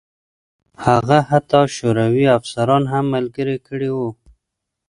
هغه حتی شوروي افسران هم ملګري کړي وو